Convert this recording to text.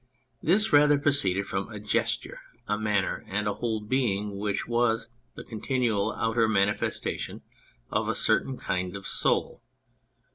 This rather proceeded from a gesture, a manner, and a whole being which was the con tinual outer manifestation of a certain kind of soul.